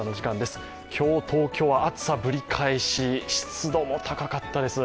今日、東京は暑さぶり返し、湿度も高かったです。